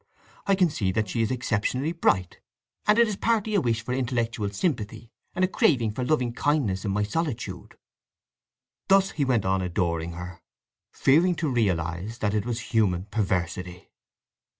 I can see that she is exceptionally bright; and it is partly a wish for intellectual sympathy, and a craving for loving kindness in my solitude." Thus he went on adoring her, fearing to realize that it was human perversity.